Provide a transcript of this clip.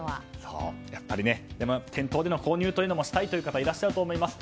でも店頭での購入をしたいという方いらっしゃると思います。